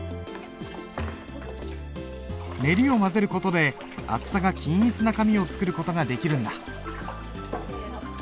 ネリを混ぜる事で厚さが均一な紙を作る事ができるんだ。